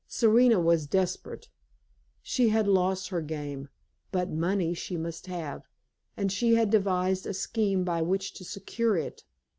Serena was desperate. She had lost her game; but money she must have, and she had devised a scheme by which to secure it.